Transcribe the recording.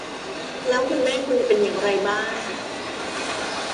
แล้วคุณแม่คุณเป็นอย่างไรบ้าง